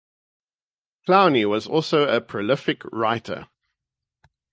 Clowney was also a prolific writer.